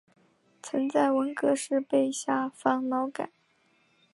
曾在文革时被下放劳改。